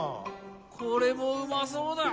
これもうまそうだ。